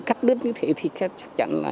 cắt đứt như thế thì chắc chắn là